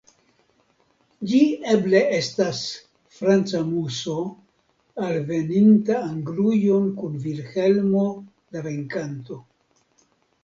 Ĝi eble estas franca muso alveninta Anglujon kun Vilhelmo la Venkanto.